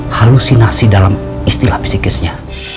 halusinasi dalam istilah psikisnya